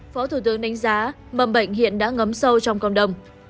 phó thủ tướng đánh giá mầm bệnh hiện đã ngấm sâu trong cộng đồng